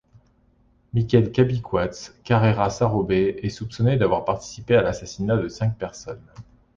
Mikel Kabikoitz Carrera Sarobe est soupçonné d'avoir participé à l'assassinat de cinq personnes.